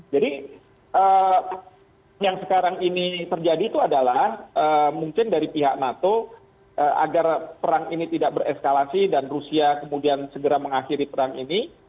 jadi yang sekarang ini terjadi itu adalah mungkin dari pihak nato agar perang ini tidak bereskalasi dan rusia kemudian segera mengakhiri perang ini